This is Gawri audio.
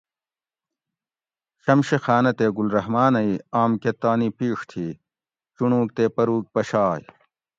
شمشی خانہ تے گل رحمانہ ای آم کہ تانی پِیڛ تھی چُنڑوگ تے پروگ پشائے